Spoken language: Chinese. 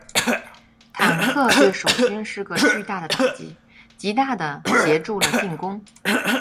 坦克对守军是个巨大的打击，极大地协助了进攻。